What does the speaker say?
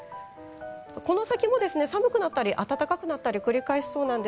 この先も寒くなったり暖かくなったりを繰り返しそうなんです。